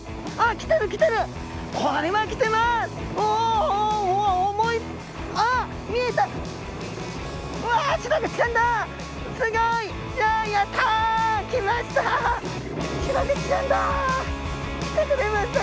きてくれました